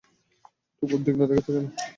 তোকে উদ্বিগ্ন দেখাচ্ছে কেন?